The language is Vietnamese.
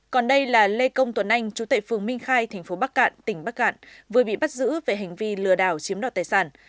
còn đây là lê công tuấn anh chú tệ phường minh khai thành phố bắc cạn tỉnh bắc cạn vừa bị bắt giữ về hành vi lừa đảo chiếm đoạt tài sản